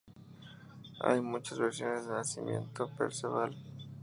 Hay muchas versiones del nacimiento de Perceval.